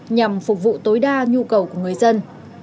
nhằm phục vụ tối đa nhu cầu của người dân